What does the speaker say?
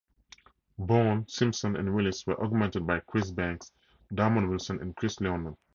Bourne, Simpson, and Willis were augmented by Chris Banks, Damon Wilson, and Chris Leonard.